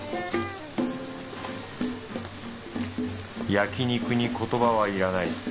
焼肉に言葉はいらない。